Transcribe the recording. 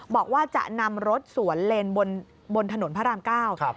บอกว่าจะนำรถสวนเลนบนถนนพระรามเก้า